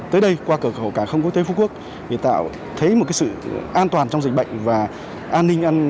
tới đây qua cửa khẩu cả không có tới phú quốc thì tạo thấy một sự an toàn trong dịch bệnh và an ninh